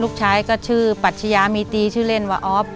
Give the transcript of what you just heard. ลูกชายก็ชื่อปัชยามีตีชื่อเล่นว่าออฟ